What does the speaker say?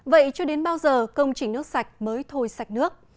vậy cho đến bao giờ công trình nước sạch mới thôi sạch nước